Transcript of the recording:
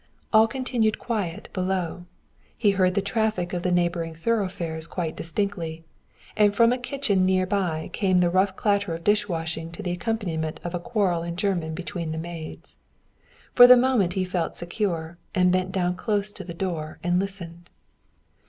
All continued quiet below; he heard the traffic of the neighboring thoroughfares quite distinctly; and from a kitchen near by came the rough clatter of dishwashing to the accompaniment of a quarrel in German between the maids. For the moment he felt secure, and bent down close to the door and listened.